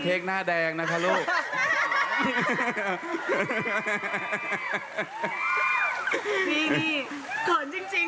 เขียนไทน์เพลิงเพลิง